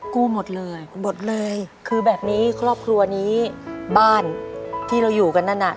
กู้หมดเลยหมดเลยคือแบบนี้ครอบครัวนี้บ้านที่เราอยู่กันนั่นน่ะ